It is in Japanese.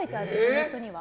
ネットには。